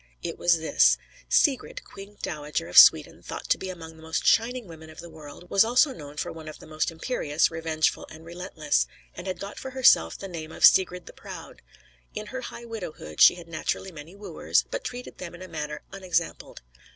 It was this: Sigrid, queen dowager of Sweden, thought to be among the most shining women of the world, was also known for one of the most imperious, revengeful, and relentless, and had got for herself the name of Sigrid the Proud. In her high widowhood she had naturally many wooers; but treated them in a manner unexampled.